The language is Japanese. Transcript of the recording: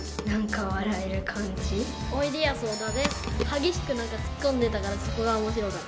激しく突っ込んでたからそこが面白かった。